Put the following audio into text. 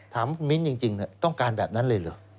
ถามคุณมินจริงต้องการแบบนั้นเลยหรือ